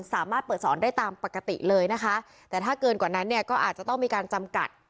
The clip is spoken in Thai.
สามารถเปิดสอนได้ตามปกติเลยนะคะแต่ถ้าเกินกว่านั้นเนี่ยก็อาจจะต้องมีการจำกัด